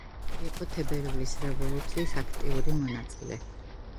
იყო თებერვლის რევოლუციის აქტიური მონაწილე.